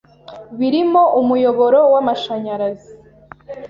birimo umuyoboro w’amashanyarazi